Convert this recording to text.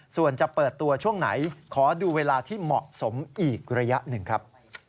ส่วนจะเปิดตัวช่วงไหนขอดูเวลาที่เหมาะสมอีกระยะหนึ่งครับ